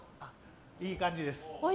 いい感じです。